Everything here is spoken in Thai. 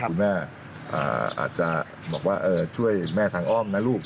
คุณแม่อาจจะบอกว่าช่วยแม่ทางอ้อมนะลูก